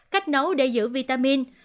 cách nấu để giữ vitamin